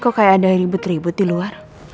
kok kayak ada ribut ribut di luar